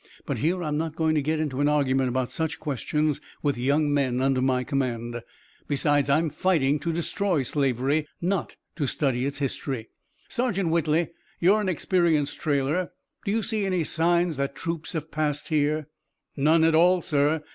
But here, I'm not going to get into an argument about such questions with young men under my command. Besides, I'm fighting to destroy slavery, not to study its history. Sergeant Whitley, you're an experienced trailer: do you see any signs that troops have passed here?" "None at all, sir.